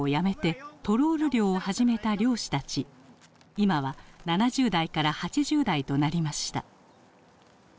今は７０代から８０代となりました。